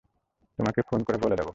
তোমাকে ফোন করে বলে দেবো।